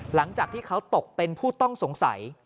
หลังจากที่เขาตกเป็นผู้ต้องสงสัย